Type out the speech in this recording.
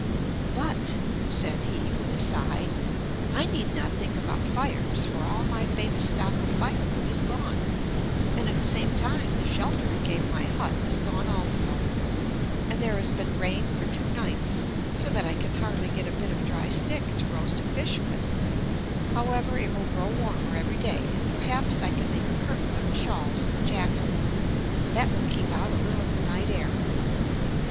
"But," said he, with a sigh, "I need not think about fires, for all my famous stock of firewood is gone; and at the same time, the shelter it gave my hut is gone also, and there has been rain for two nights, so that I can hardly get a bit of dry stick to roast a fish with: however, it will grow warmer every day, and perhaps I can make a curtain of the shawls and the jacket, that will keep out a little of the night air."